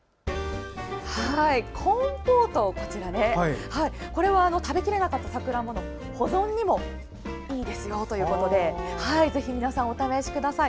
コンポートは食べきれなかったさくらんぼの保存にもいいですよということでぜひ皆さんお試しください。